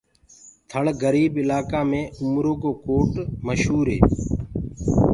ٿݪ گريب الآڪآ مي اُمر ڪو ڪوٽ مشهوري